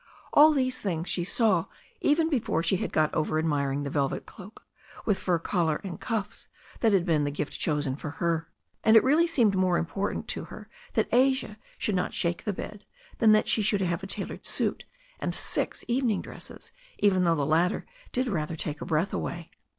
All these things she saw even before she had got over ad miring the velvet cloak with fur collar and cuffs that had been the gift chosen for her. And it really seemed more important to her that Asia should not shake the bed than that she should have a tailored suit and six evening dresses, even though the latter did rather take her breath away.